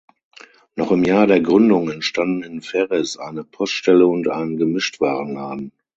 Noch im Jahr der Gründung entstanden in Ferris eine Poststelle und ein Gemischtwarenladen.